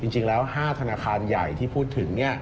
จริงแล้ว๕ธนาคารใหญ่ที่พูดถึง